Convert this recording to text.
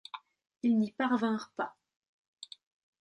Il n'y parvinrent pas.